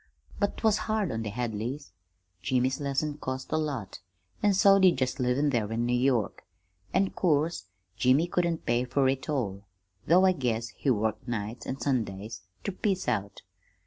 "But't was hard on the Hadleys. Jimmy's lessons cost a lot, an' so did just livin' there in New York, an' 'course Jimmy couldn't pay fer it all, though I guess he worked nights an' Sundays ter piece out.